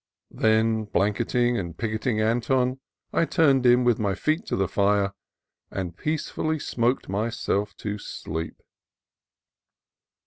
Then, blanketing and picketing Anton, I turned in with my feet to the fire, and peacefully smoked myself to sleep.